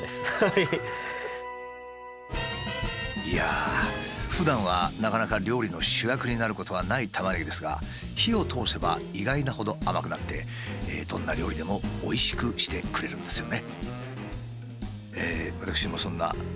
いやあふだんはなかなか料理の主役になることはないタマネギですが火を通せば意外なほど甘くなってどんな料理でもおいしくしてくれるんですよね。